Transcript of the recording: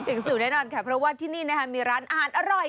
ถึงสู่แน่นอนค่ะเพราะว่าที่นี่นะคะมีร้านอาหารอร่อย